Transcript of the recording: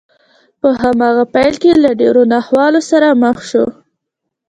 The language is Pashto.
په هماغه پيل کې له ډېرو ناخوالو سره مخ شو.